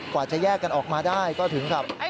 กว่าจะแยกกันออกมาได้ก็ถึงกับ